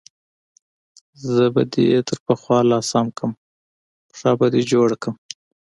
زه به دې تر پخوا لا سم کړم، پښه به دې جوړه کړم.